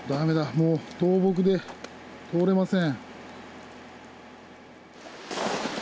もう倒木で通れません。